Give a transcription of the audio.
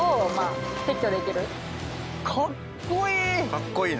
かっこいい！